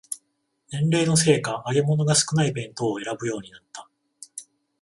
年齢のせいか揚げ物が少ない弁当を選ぶようになった